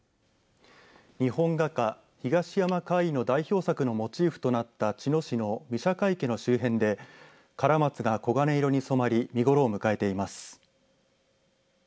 日本画家、東山魁夷の代表作のモチーフとなった茅野市の御射鹿池の周辺でカラマツが黄金色に染まり見頃を迎えています。